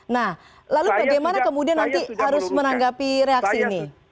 nah lalu bagaimana kemudian nanti harus menanggapi reaksi ini